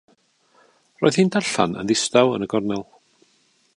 Roedd hi'n darllen yn ddistaw yn y gornel.